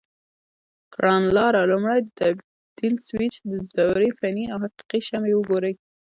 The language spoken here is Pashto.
کړنلاره: لومړی د تبدیل سویچ د دورې فني او حقیقي شمې وګورئ.